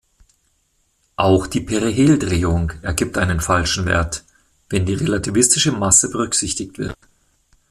Auch die Periheldrehung ergibt einen falschen Wert, wenn die relativistische Masse berücksichtigt wird.